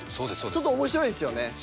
ちょっと面白いですよね